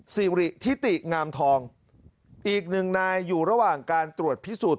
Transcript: สิริทิติงามทองอีกหนึ่งนายอยู่ระหว่างการตรวจพิสูจน์